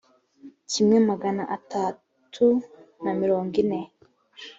kimwe magana atatu na mirongo ine